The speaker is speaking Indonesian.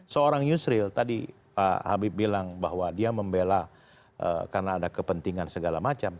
seorang yusril tadi pak habib bilang bahwa dia membela karena ada kepentingan segala macam